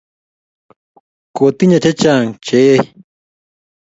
Ko tinye chechang che eih